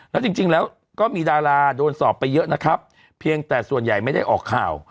แล้วจริงแล้วก็มีดาราโดนสอบไปเยอะนะครับเพียงแต่ส่วนใหญ่ไม่ได้ออกข่าว